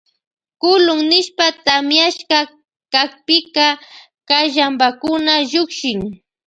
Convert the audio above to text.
Kulun nishpa tamiashpa kakpika kallanpakuna llukshin.